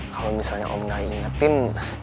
kalau misalnya om gak ingetin